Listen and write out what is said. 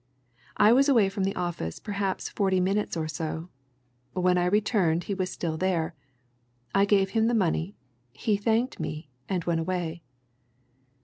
I was away from the office perhaps forty minutes or so; when I returned he was still there. I gave him the money; he thanked me, and went away.